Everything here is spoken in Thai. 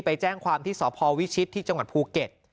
ไปแจ้งความที่สพวิชิตที่จังหวัดภูเก็ต